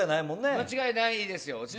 間違いないですよ。